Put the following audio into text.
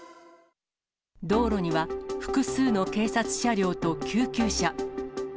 道路には複数の警察車両と救急車。